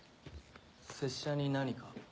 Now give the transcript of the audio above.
拙者に何か？